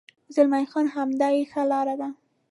زلمی خان: همدا یې ښه لار ده.